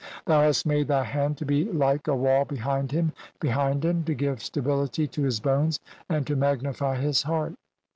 Thou hast made thy hand to be like "a wall behind him, behind him, to give stability to "his bones and to magnify his heart."